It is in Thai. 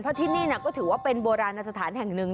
เพราะที่นี่ก็ถือว่าเป็นโบราณสถานแห่งหนึ่ง